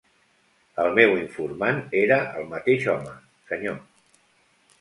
El meu informant era el mateix home, senyor.